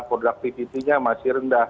productivitynya masih rendah